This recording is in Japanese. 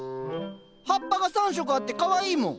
葉っぱが３色あってかわいいもん。